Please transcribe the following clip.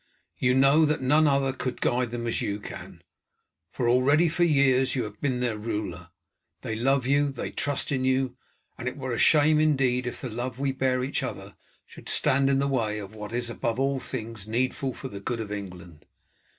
You know that none other could guide them as you can, for already for years you have been their ruler. They love you, they trust in you, and it were a shame indeed if the love we bear each other should stand in the way of what is above all things needful for the good of England.